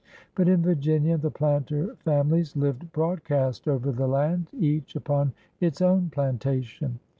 But in Virginia the planter families lived broadcast over the land, each upon its own plantation.